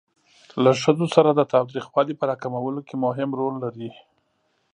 له ښځو سره د تاوتریخوالي په را کمولو کې مهم رول لري.